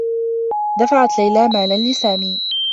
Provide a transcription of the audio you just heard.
دفعت ليلى مالا لسامي.